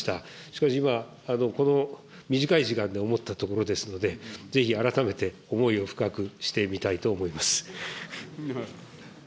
しかし今、この短い時間で思ったところですので、ぜひ改めて思いを深くしてみたいと思います。